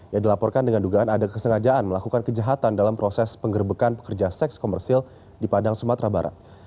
yang dilaporkan dengan dugaan ada kesengajaan melakukan kejahatan dalam proses penggerbekan pekerja seks komersil di padang sumatera barat